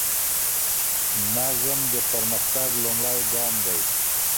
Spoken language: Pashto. نظم د پرمختګ لومړی ګام دی.